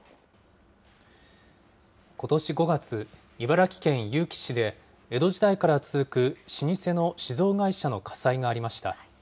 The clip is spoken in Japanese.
ことし５月、茨城県結城市で江戸時代から続く老舗の酒造会社の火災がありました。